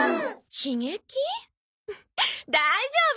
大丈夫！